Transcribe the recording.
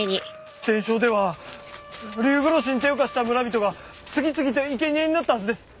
伝承では竜殺しに手を貸した村人が次々と生け贄になったはずです。